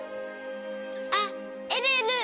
あっえるえる！